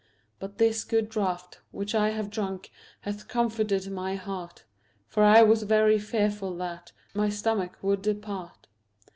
But this good draught which I have drunk Hath comforted my heart, For I was very fearful that My stomach would depart.